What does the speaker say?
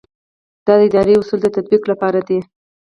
دا د اداري اصولو د تطبیق لپاره دی.